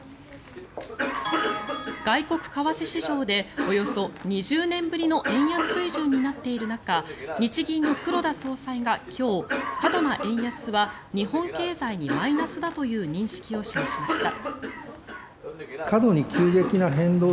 外国為替市場でおよそ２０年ぶりの円安水準になっている中日銀の黒田総裁が今日過度な円安は日本経済にマイナスだという認識を示しました。